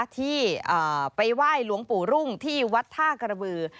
ที่ไปไหว้หลวงปู่รุ่งที่วัดท่ากระบือ